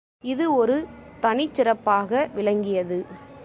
இது ஒரு தனிச் சிறப்பாக விளங்கியது.